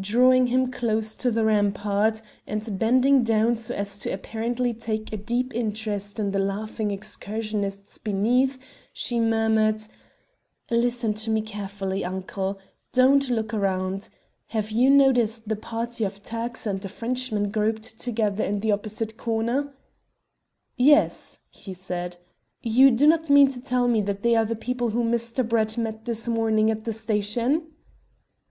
Drawing him close to the rampart, and bending down so as to apparently take a deep interest in the laughing excursionists beneath, she murmured "Listen to me carefully, uncle. Don't look around. Have you noticed the party of Turks and a Frenchman grouped together in the opposite corner?" "Yes," he said. "You do not mean to tell me that they are the people whom Mr. Brett met this morning at the station?"